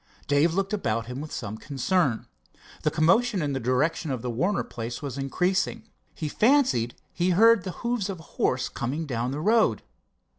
Dave looked about him with some concern. The commotion in the direction of the Warner place was increasing. He fancied he heard the hoofs of a horse coming down the road.